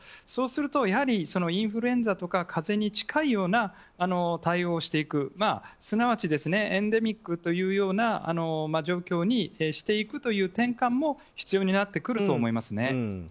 そうすると、インフルエンザとか風邪に近いような対応をしていくすなわちエンデミックというような状況にしていくという転換も必要になってくると思いますね。